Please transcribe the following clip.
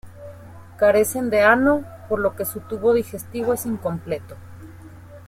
Carecen de ano, por lo que su tubo digestivo es incompleto.